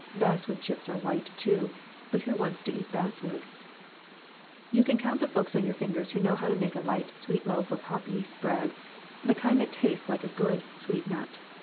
Basswood chips are white, too, but who wants to eat basswood ? You can count the folks on your fingers who know how to make a light, sweet loaf of hop yeast bread the kind that tastes like a good, sweet nut.